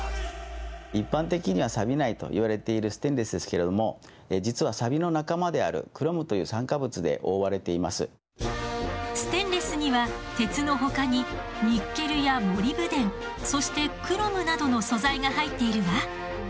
一般的にはサビないといわれているステンレスですけれども実はサビの仲間であるステンレスには鉄のほかにニッケルやモリブデンそしてクロムなどの素材が入っているわ。